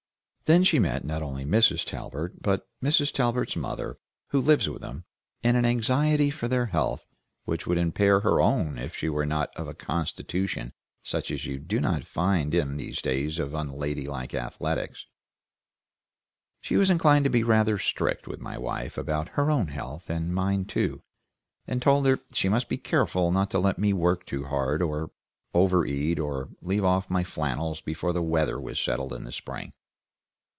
Then she met not only Mrs. Talbert, but Mrs. Talbert's mother, who lives with them, in an anxiety for their health which would impair her own if she were not of a constitution such as you do not find in these days of unladylike athletics. She was inclined to be rather strict with my wife about her own health, and mine too, and told her she must be careful not to let me work too hard, or overeat, or leave off my flannels before the weather was settled in the spring.